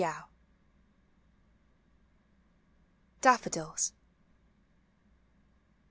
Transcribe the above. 247 DAFFODILS.